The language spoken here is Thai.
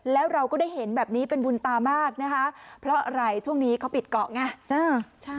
แล้วเราก็ได้เห็นแบบนี้เป็นบุญตามากนะคะเพราะอะไรช่วงนี้เขาปิดเกาะไง